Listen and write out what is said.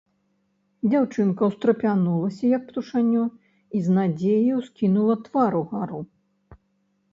Дзяўчынка ўстрапянулася, як птушанё, і з надзеяй ускінула твар угару.